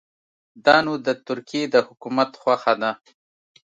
دا نو د ترکیې د حکومت خوښه ده.